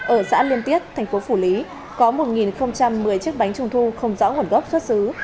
ở xã liên tiết thành phố phủ lý có một một mươi chiếc bánh trung thu không rõ nguồn gốc xuất xứ